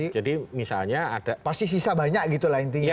jadi pasti sisa banyak gitu lah intinya